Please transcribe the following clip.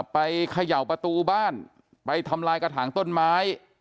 เขย่าประตูบ้านไปทำลายกระถางต้นไม้